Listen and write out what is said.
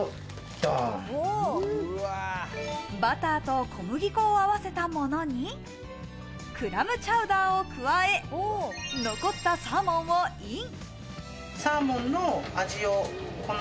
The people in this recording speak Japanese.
バターと小麦粉を合わせたものに、クラムチャウダーを加え、残ったサーモンをイン。